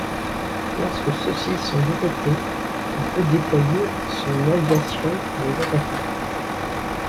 Lorsque ceux-ci sont détectés, il peut déployer son aviation pour les attaquer.